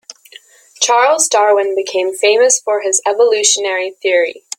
Charles Darwin became famous for his evolutionary theory.